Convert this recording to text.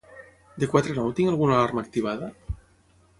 De quatre a nou tinc alguna alarma activada?